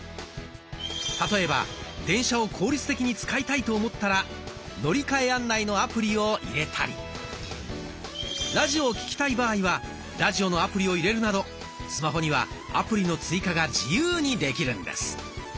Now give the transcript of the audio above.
例えば電車を効率的に使いたいと思ったら乗換案内のアプリを入れたりラジオを聞きたい場合はラジオのアプリを入れるなどスマホにはアプリの追加が自由にできるんです。